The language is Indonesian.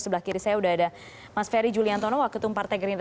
sebelah kiri saya sudah ada mas ferry juliantono wakil tumpar tegering